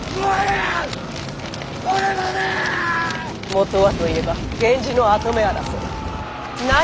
元はといえば源氏の跡目争い。